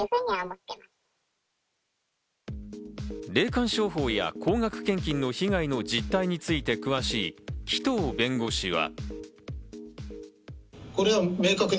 霊感商法や高額献金の被害の実態について詳しい紀藤弁護士は。